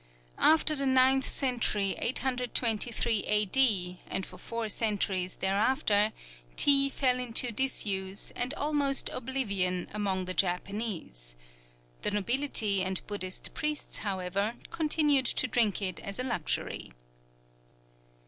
After the ninth century, 823 A.D., and for four centuries thereafter, tea fell into disuse, and almost oblivion, among the Japanese. The nobility, and Buddhist priests, however, continued to drink it as a luxury.